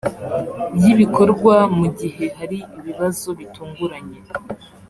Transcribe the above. y ibikorwa mu gihe hari ibibazo bitunguranye